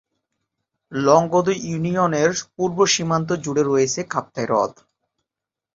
লংগদু ইউনিয়নের পূর্ব সীমান্ত জুড়ে রয়েছে কাপ্তাই হ্রদ।